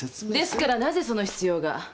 ですからなぜその必要が？